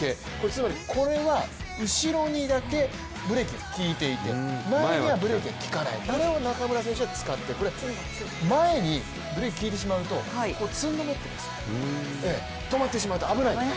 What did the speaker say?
つまりこれは後ろにだけブレーキが利いていて前にはブレーキが利かないこれを中村選手が使ってこれ、前にブレーキ利いてしまうとつんのめってしまって、止まってしまうと危ない。